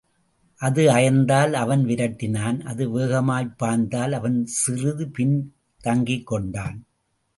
அது அயர்ந்தால், அவன் விரட்டினான், அது வேகமாய்ப் பாய்ந்தால், அவன் சிறிது பின் தங்கிக்கொண்டான்.